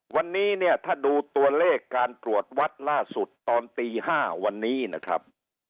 วันนี้เนี่ยถ้าดูตัวเลขการตรวจวัดล่าสุดตอนตี๕วันนี้นะครับ